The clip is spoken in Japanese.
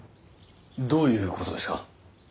どういう事ですか？